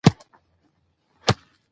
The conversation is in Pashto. موږ باید پر خپلو وړتیاوو باور ولرو